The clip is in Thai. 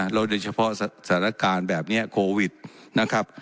แล้วโดยเฉพาะสถานการณ์แบบนี้โควิดนะครับ